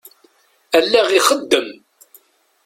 Allaɣ ixeddem.